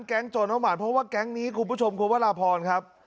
โจรน้องหมานเพราะว่าแก๊งนี้คุณผู้ชมคุณพระราพรครับ